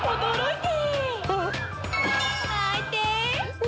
泣いて！